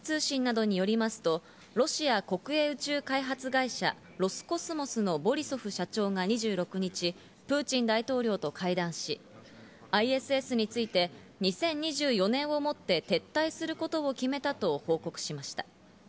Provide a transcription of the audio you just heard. インターファクス通信などによりますと、ロシア国営宇宙開発会社ロスコスモスのボリソフ社長が２６日、プーチン大統領と会談し、ＩＳＳについて、２０２４年をもって撤退することを決めたと報告しました。